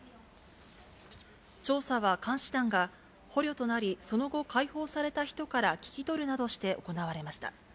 調査は監視団が、捕虜となりその後、解放された人から聞き取るなどして行われました。